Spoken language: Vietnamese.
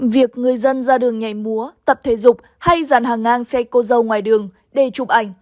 việc người dân ra đường nhảy múa tập thể dục hay dàn hàng ngang xe cô dâu ngoài đường để chụp ảnh